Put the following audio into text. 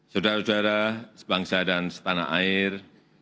saudara saudara sebangsa dan setanah air